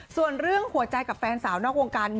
ส่วนเรื่องหัวใจกับแฟนสาวนอกวงการ